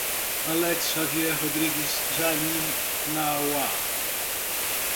Alex Xavier Rodrigues Jaminawa